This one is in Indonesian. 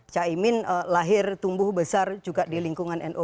caimin lahir tumbuh besar juga di lingkungan nu